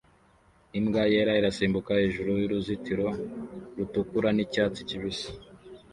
imbwa yera irasimbuka hejuru y'uruzitiro rutukura n'icyatsi kibisi